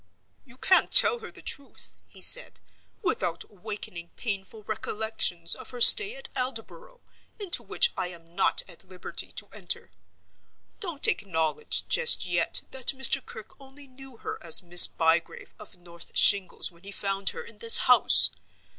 "You can't tell her the truth," he said, "without awakening painful recollections of her stay at Aldborough, into which I am not at liberty to enter. Don't acknowledge just yet that Mr. Kirke only knew her as Miss Bygrave of North Shingles when he found her in this house.